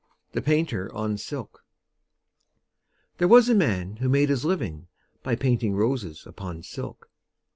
The Painter on Silk There was a man Who made his living By painting roses Upon silk.